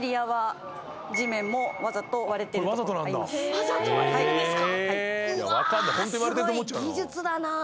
わざと割れてるんですか？